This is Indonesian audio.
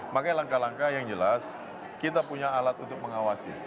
makanya langkah langkah yang jelas kita punya alat untuk mengawasi